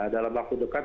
dalam waktu dekat